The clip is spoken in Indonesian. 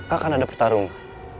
akan ada pertarungan